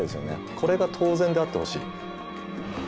これが当然であってほしい。